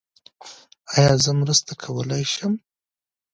ایا زه مرسته کولي شم؟